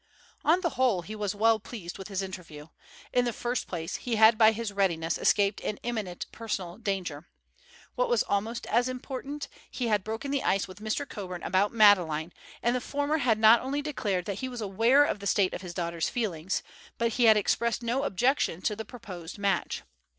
On the whole he was well pleased with his interview. In the first place, he had by his readiness escaped an imminent personal danger. What was almost as important, he had broken the ice with Mr. Coburn about Madeleine, and the former had not only declared that he was aware of the state of his daughter's feelings, but he had expressed no objection to the proposed match.